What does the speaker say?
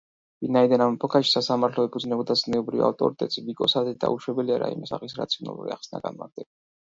ვინაიდან ამ ეპოქაში სასამართლო ეფუძნებოდა ზნეობრივ ავტორიტეტს, ვიკოს აზრით, დაუშვებელია რაიმე სახის რაციონალური ახსნა-განმარტება.